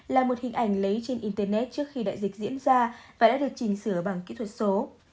là một hình ảnh lấy trên internet trước khi đại dịch diễn ra và đã được chỉnh sửa bằng kỹ thuật số